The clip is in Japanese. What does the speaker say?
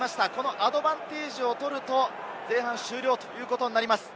アドバンテージを取ると前半終了ということになります。